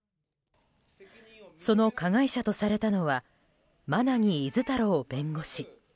その加害者とされたのが馬奈木厳太郎弁護士。